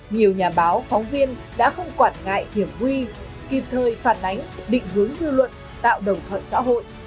nhiều nhà báo phóng viên đã không quản ngại hiểm nguy kịp thời phản ánh định hướng dư luận tạo đồng thuận xã hội